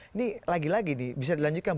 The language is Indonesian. ini lagi lagi nih bisa dilanjutkan